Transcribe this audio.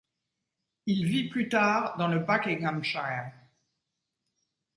Il vit plus tard dans le Buckinghamshire.